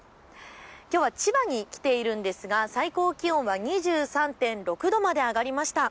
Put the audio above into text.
きょうは千葉に来ているんですが、最高気温は２３．６度まで上がりました。